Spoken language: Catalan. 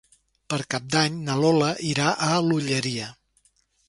Per Cap d'Any na Lola irà a l'Olleria.